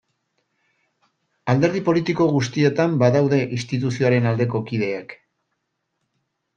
Alderdi politiko guztietan badaude instituzioaren aldeko kideak.